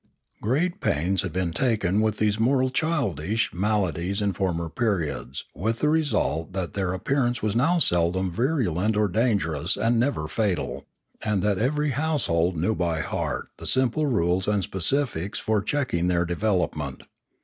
Great pains had been taken with these moral childish mala dies in former periods with the result that their ap pearance was now seldom virulent or dangerous and never fatal, and that every household knew by heart the simple rules and specifics for checking their de velopment.